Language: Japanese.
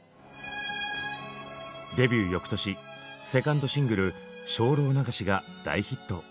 デビュー翌年セカンドシングル「精霊流し」が大ヒット。